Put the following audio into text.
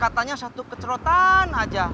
katanya satu kecerotan aja